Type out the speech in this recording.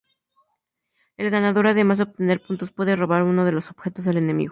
El ganador además de obtener puntos puede robar uno de los objetos del enemigo.